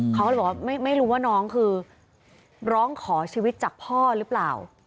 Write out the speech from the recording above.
เขาก็เลยบอกว่าไม่รู้ว่าน้องคือร้องขอชีวิตจากพ่อหรือเปล่า